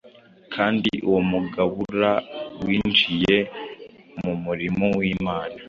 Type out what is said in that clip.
kandi uwo mugabura winjiye mu murimo w’imana